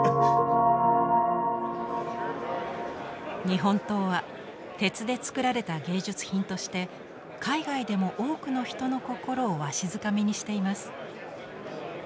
日本刀は鉄でつくられた芸術品として海外でも多くの人の心をわしづかみにしています。